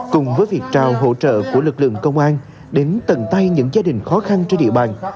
cùng với việc trao hỗ trợ của lực lượng công an đến tận tay những gia đình khó khăn trên địa bàn